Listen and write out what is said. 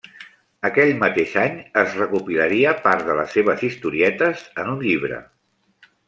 Aquell mateix any es recopilaria part de les seves historietes en un llibre.